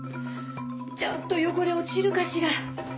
ちゃんとよごれおちるかしら。